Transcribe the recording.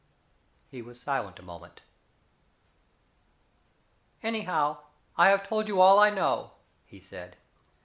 He was silent a moment. "Anyhow, I have told you all I know," he said.